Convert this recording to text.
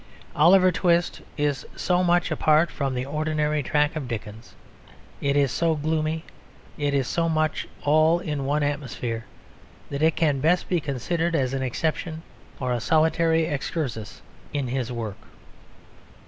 Oliver Twist is so much apart from the ordinary track of Dickens, it is so gloomy, it is so much all in one atmosphere, that it can best be considered as an exception or a solitary excursus in his work.